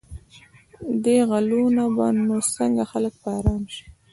دې غلو نه به نو څنګه خلک په آرام شي.